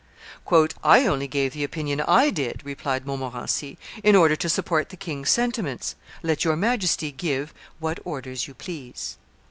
"I only gave the opinion I did," replied Montmorency, "in order to support the king's sentiments; let your Majesty give what orders you please."